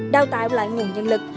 đào tạo lại nguồn nhân lực